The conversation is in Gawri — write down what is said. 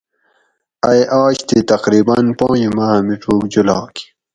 ائ آج تھی تقریباً پونج ماۤ ھہ میڄوگ جولاگ